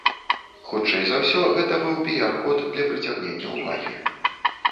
Хутчэй за ўсё, гэта быў піяр-ход для прыцягнення ўвагі.